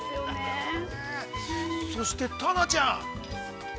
◆そしてタナちゃん。